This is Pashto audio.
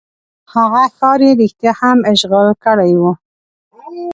هغه ښار یې رښتیا هم اشغال کړی وو.